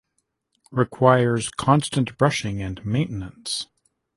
Requires constant brushing and maintenance.